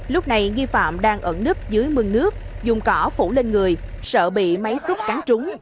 lúc này nghi phạm đang ẩn nứt dưới mương nước dùng cỏ phủ lên người sợ bị máy xúc cán trúng